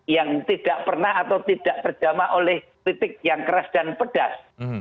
yang tidak pernah atau tidak terjama oleh kritik yang keras dan pedas